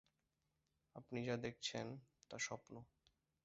আপনি যা দেখছেন তা স্বপ্ন।